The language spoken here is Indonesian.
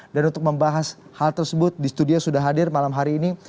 dan untuk membahas hal tersebut di studio sudah hadir malam hari ini